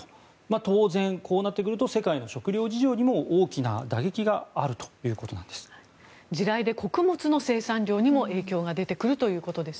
当然、こうなってくると世界の食料事情にも大きな打撃があるということなんです。